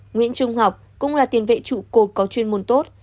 nguyễn trung học cũng là tiền vệ trụ cột có chuyên môn tốt